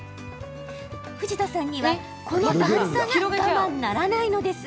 藤田さんにはこの段差が我慢ならないのです。